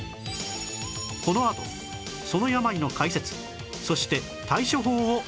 このあとその病の解説そして対処法をお伝えします